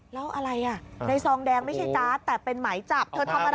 แล้วอะไรอ่ะในซองแดงไม่ใช่จ๊าตแต่เป็นหมายจับ